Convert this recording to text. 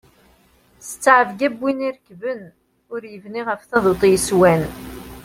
S ttɛebga d win tt-irekben, ur yebni ɣef taḍuṭ yeswan.